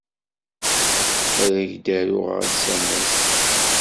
Ad ak-d-aruɣ asamas.